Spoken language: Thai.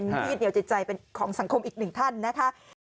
ยืดเหนียวจิตใจเป็นของสังคมอีกหนึ่งท่านนะคะ